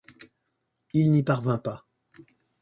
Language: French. Il n'y parvint pas.